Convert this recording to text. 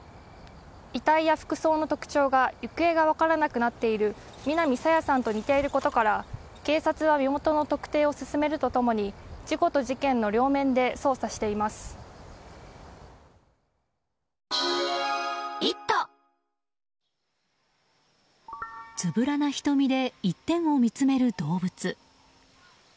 遺体や服装の特徴が行方が分からなくなっている南朝芽さんと似ていることから警察は身元の特定を進めると共に事故と事件の両面でつぶらな瞳で一点を見つめる動物。